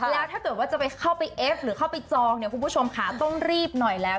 แล้วถ้าเกิดว่าจะไปเข้าไปเอฟหรือเข้าไปจองเนี่ยคุณผู้ชมค่ะต้องรีบหน่อยแล้ว